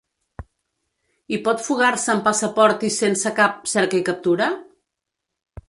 I pot fugar-se amb passaport i sense cap "cerca i captura"?